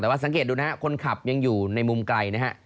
แต่ว่าสังเกตดูนะฮะคนขับยังอยู่ในมุมไกลนะฮะ